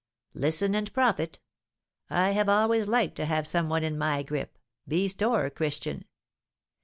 Listen, and profit. I have always liked to have some one in my grip beast or Christian.